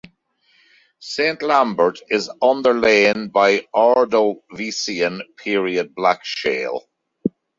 Saint-Lambert is underlain by Ordovician period black shale.